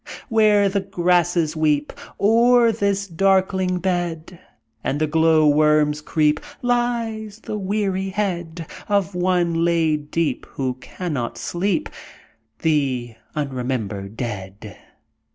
"Where the grasses weep O'er his darkling bed, And the glow worms creep, Lies the weary head Of one laid deep, who cannot sleep: The unremembered dead."